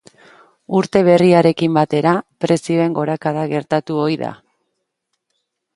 Urte berriarekin batera, prezioen gorakada gertatu ohi da.